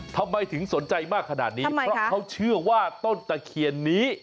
ทำไมถึงสนใจมากขนาดนี้เพราะเขาเชื่อว่าต้นตะเคียนนี้